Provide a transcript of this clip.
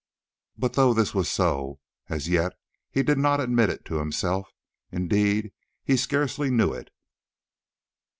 But though this was so, as yet he did not admit it to himself; indeed, he scarcely knew it.